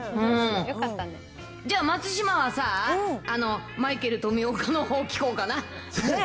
じゃあ、松嶋はさ、マイケル富岡のほう、聞こうかな。